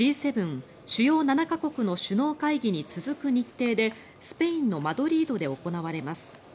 主要７か国の首脳会議に続く日程でスペインのマドリードで行われます。